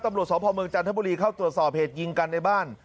ตำรวจสพเมืองจันทบุรีเข้าตรวจสอบเหตุยิงกันในบ้าน